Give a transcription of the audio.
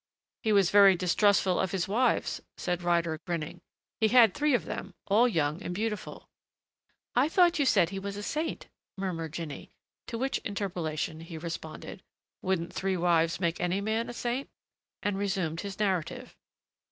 "He was very distrustful of his wives," said Ryder, grinning. "He had three of them, all young and beautiful." "I thought you said he was a saint?" murmured Jinny, to which interpolation he responded, "Wouldn't three wives make any man a saint?" and resumed his narrative.